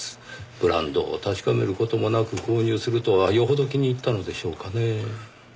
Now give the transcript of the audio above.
ブランドを確かめる事もなく購入するとはよほど気に入ったのでしょうかねぇ。